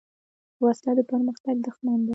وسله د پرمختګ دښمن ده